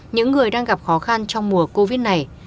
những người đang gặp khó khăn trong mùa covid này